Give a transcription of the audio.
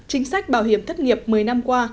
chính sách bảo hiểm thất nghiệp một mươi năm qua